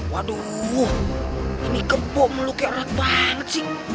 waduh ini gembok melukai orang banget sih